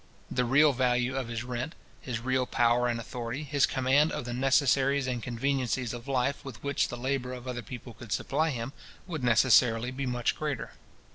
The real value of his rent, his real power and authority, his command of the necessaries and conveniencies of life with which the labour of other people could supply him, would necessarily be much greater.